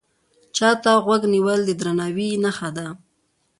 چا ته غوږ نیول د درناوي نښه ده